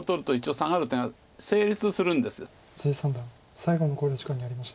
三段最後の考慮時間に入りました。